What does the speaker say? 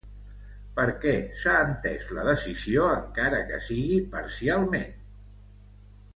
Per què s'ha entès la decisió, encara que sigui parcialment?